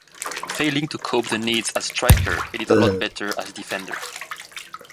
Failing to cope the needs as striker, he did a lot better as defender.